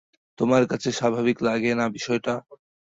তোমার কাছে অস্বাভাবিক লাগে না বিষয়টা?